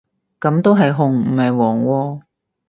噉都係紅唔係黃喎